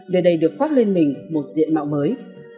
nơi đây được khoác lên mình một diện mạo mới